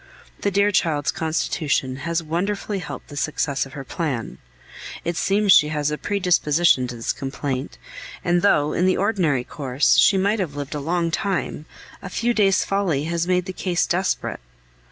The dear child's constitution has wonderfully helped the success of her plan. It seems she has a predisposition to this complaint; and though, in the ordinary course, she might have lived a long time, a few days' folly has made the case desperate.